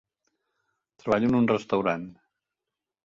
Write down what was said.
Treballo en un restaurant.